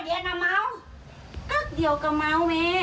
ก็เดี๋ยวกับเมาแม่